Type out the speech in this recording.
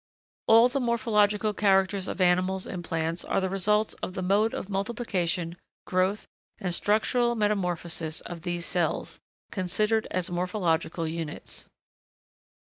All the morphological characters of animals and plants are the results of the mode of multiplication, growth, and structural metamorphosis of these cells, considered as morphological units.